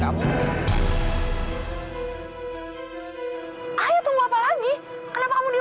hai apa lagi kenapa kamu di wajah tinggalin cantik dekat bangku itu dong